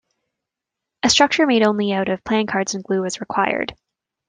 A structure made only out of playing cards and glue was required.